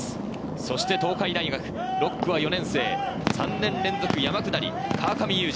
そして東海大学、６区は４年生、３年連続山下り、川上勇士。